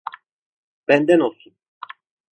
Benden olsun.